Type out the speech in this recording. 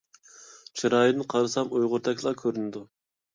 چىرايىدىن قارىسام ئۇيغۇردەكلا كۆرۈنىدۇ.